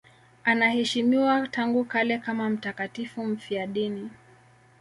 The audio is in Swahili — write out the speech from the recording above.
Anaheshimiwa tangu kale kama mtakatifu mfiadini.